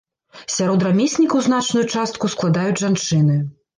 Сярод рамеснікаў значную частку складаюць жанчыны.